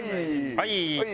はい！